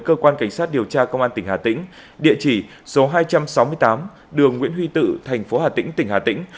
cơ quan cảnh sát điều tra công an tỉnh hà tĩnh địa chỉ số hai trăm sáu mươi tám đường nguyễn huy tự thành phố hà tĩnh tỉnh hà tĩnh